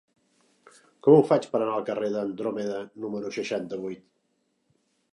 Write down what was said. Com ho faig per anar al carrer d'Andròmeda número seixanta-vuit?